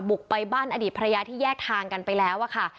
บุกไปบ้านอดีตภรรยาที่แยกทางกันไปแล้วอะค่ะ